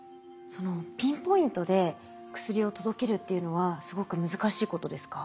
ピンポイントで薬を届けるっていうのはすごく難しいことですか？